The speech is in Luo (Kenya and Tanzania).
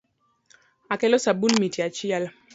Akelo sabun miti achiel.